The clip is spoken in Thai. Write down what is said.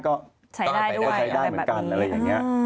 ก็ใช้ได้เหมือนกัน